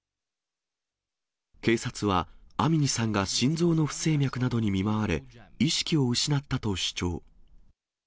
警察はアミニさんが心臓の不整脈などに見舞われ、意識を失ったと主張。